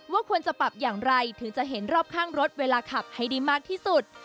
ว่าควรจะปรับอย่างไรถึงจะเห็นรอบข้างรถเวลาขับให้ได้มากที่สุด